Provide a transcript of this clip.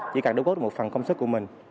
chỉ cần đối gốc được một phần công sức của mình